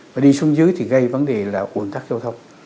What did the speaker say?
và đi xuống dưới thì gây vấn đề là ủn tắc giao thông